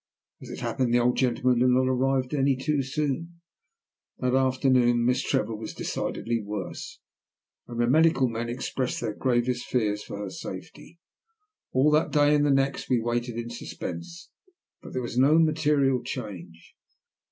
As it happened the old gentleman had not arrived any too soon. That afternoon Miss Trevor was decidedly worse, and the medical men expressed their gravest fears for her safety. All that day and the next we waited in suspense, but there was no material change.